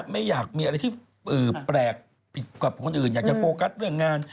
ไม่อยากมีอะไรที่แปลกผิดกับคนอื่นอยากจะโฟกัสเรื่องงาน